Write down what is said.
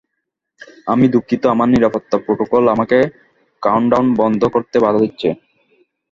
আমি দুঃখিত, আমার নিরাপত্তা প্রোটোকল আমাকে কাউন্টডাউন বন্ধ করতে বাধা দিচ্ছে।